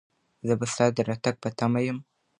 زه به ستا د راتګ په تمه یم.